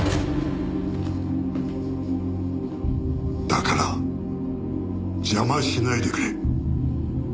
だから邪魔しないでくれ。